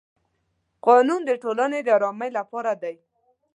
قانون د ټولنې د ارامۍ لپاره دی.